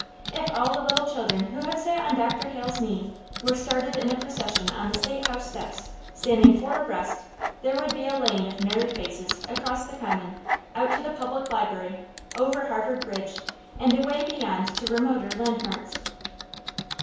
If all the little children who have sat on Dr. Hale's knee were started in a procession on the State House steps, standing four abreast, there would be a lane of merry faces across the Common, out to the Public Library, over Harvard Bridge, and away beyond to remoter landmarks.